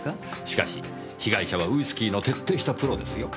しかし被害者はウイスキーの徹底したプロですよ。